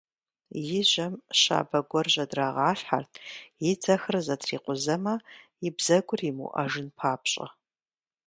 И жьэм щабэ гуэр жьэдрагъалъхьэрт, и дзэхэр зэтрикъузэмэ, и бзэгур имыуӏэжын папщӏэ.